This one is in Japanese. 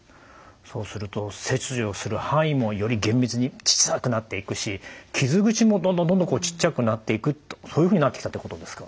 そうすると切除する範囲もより厳密にちっさくなっていくし傷口もどんどんどんどんちっちゃくなっていくとそういうふうになってきたってことですか？